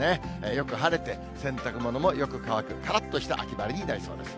よく晴れて、洗濯物もよく乾く、からっとした秋晴れになりそうです。